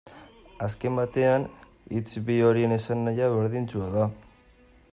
Azken batean, hitz bi horien esanahia berdintsua da.